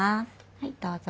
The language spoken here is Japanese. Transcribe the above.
はいどうぞ。